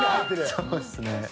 そうですね。